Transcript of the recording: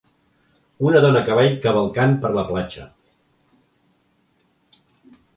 Una dona a cavall, cavalcant per la platja.